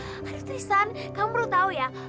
aduh tristan kamu perlu tahu ya